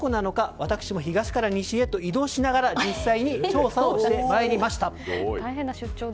私も東から西へと移動しながら実際に調査をしてまいりました。